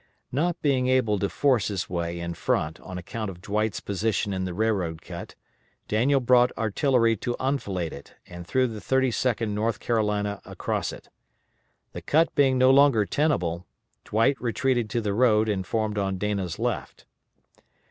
Not being able to force his way in front on account of Dwight's position in the railroad cut, Daniel brought artillery to enfilade it, and threw the 32d North Carolina across it. The cut being no longer tenable, Dwight retreated to the road and formed on Dana's left.